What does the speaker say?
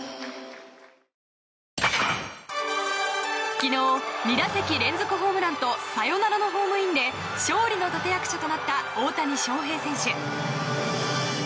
昨日、２打席連続ホームランとサヨナラのホームインで勝利の立役者となった大谷翔平選手。